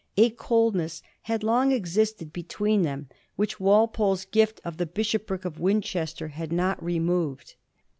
A coldness had long existed between them, which Walpole's gift of the Bishopric of Winchester had not removed.